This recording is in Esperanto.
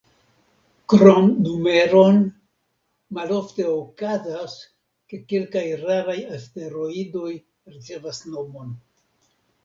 Krom numeron, malofte okazas, ke kelkaj raraj asteroidoj ricevas nomon.